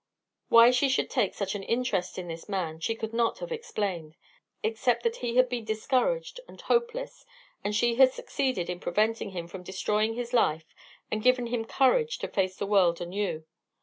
Why she should take such an interest in this man she could not have explained, except that he had been discouraged and hopeless and she had succeeded in preventing him from destroying his life and given him courage to face the world anew.